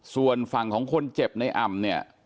ส่วนฝั่งของคนเจ็บในอ่ำเนี่ย